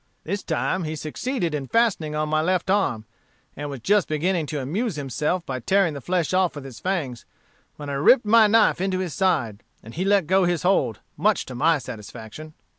This time he succeeded in fastening on my left arm, and was just beginning to amuse himself by tearing the flesh off with his fangs, when I ripped my knife into his side, and he let go his hold, much to my satisfaction.